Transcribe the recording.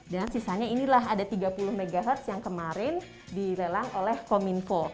dan sisanya inilah ada tiga puluh mhz yang kemarin direlang oleh kominfo